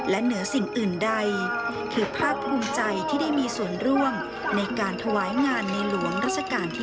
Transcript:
และเหนือสิ่งอื่นใดคือภาคภูมิใจที่ได้มีส่วนร่วมในการถวายงานในหลวงราชการที่๙